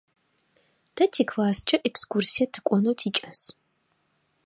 Тэ тикласскӏэ экскурсие тыкӏонэу тикӏас.